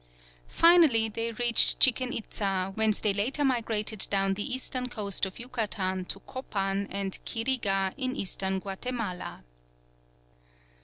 Finally they reached Chichen Itza, whence they later migrated down the eastern coast of Yucatan to Copan and Quirigua in Eastern Guatemala.